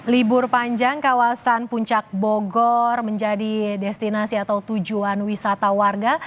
libur panjang kawasan puncak bogor menjadi destinasi atau tujuan wisata warga